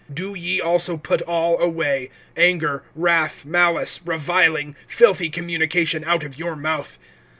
(8)But now, do ye also put all away, anger, wrath, malice, reviling, filthy communication out of your mouth.